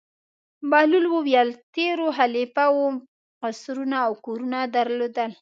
بهلول وویل: تېرو خلیفه وو قصرونه او کورونه درلودل.